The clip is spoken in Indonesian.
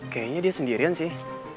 kayaknya dia sendirian sih